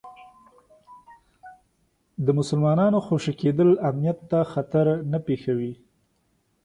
د مسلمانانو خوشي کېدل امنیت ته خطر نه پېښوي.